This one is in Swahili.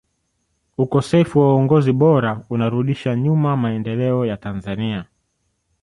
ukosefu wa uongozi bora unarudisha nyuma maendeleo ya tanzania